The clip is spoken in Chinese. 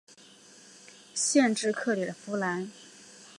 县治克里夫兰。